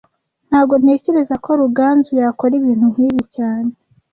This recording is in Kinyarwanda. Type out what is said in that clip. Ntago ntekereza ko Ruganzu yakora ibintu nkibi cyane